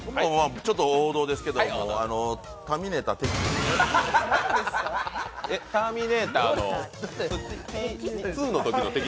ちょっと王道ですけどタミネタテキ。